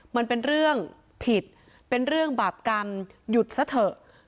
มันเป็นเรื่องผิดเป็นเรื่องบาปกรรมหยุดซะเถอะ